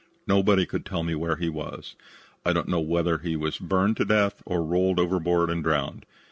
Nobody could tell me where he was. I don't know whether he was burned to death or rolled overboard and drowned.